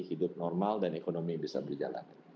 hidup normal dan ekonomi bisa berjalan